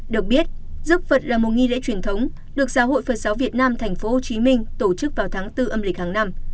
được biết giấc vật là một nghi lễ truyền thống được giáo hội phật giáo việt nam tp hcm tổ chức vào tháng bốn âm lịch hàng năm